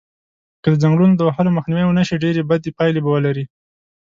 که د ځنګلونو د وهلو مخنیوی و نشی ډیری بدی پایلی به ولری